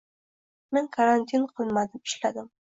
Men karantin qilmadim, ishladim